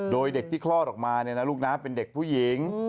โดยเด็กที่คลอดออกมาเนี่ยนะลูกนะเป็นเด็กผู้หญิง